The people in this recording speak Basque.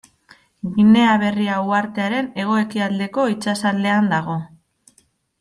Ginea Berria uhartearen hego-ekialdeko itsasaldean dago.